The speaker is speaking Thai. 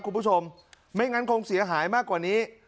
คุณผู้ชมไม่งั้นคงเสียหายมากกว่านี้